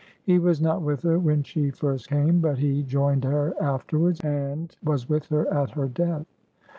He was not with her when she first came, but he joined her afterwards, and was with her at her death.